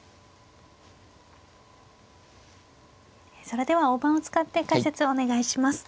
それでは大盤を使って解説をお願いします。